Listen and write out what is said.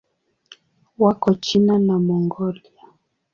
Wako China na Mongolia.